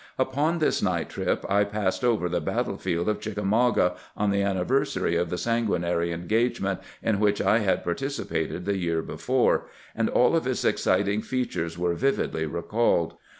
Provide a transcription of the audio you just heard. Upon this night trip I passed over the battle field of Chickamauga on the anniversary of the sanguinary engagement in which I had participated the year before, and all of its exciting features were vividly recalled.